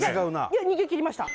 いや逃げ切りました